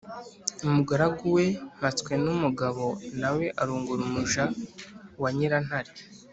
umugaragu we mpatswenumugabo na we arongora umuja wa nyirantare,